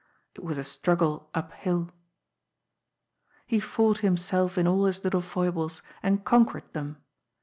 It was a struggle uphill. He fought himself in all his little foibles, and conquered them.